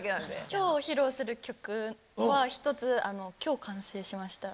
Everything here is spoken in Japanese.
今日披露する曲は一つ今日完成しました。